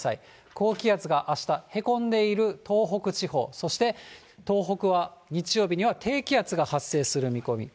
高気圧があした、へこんでいる東北地方、そして東北は日曜日には低気圧が発生する見込み。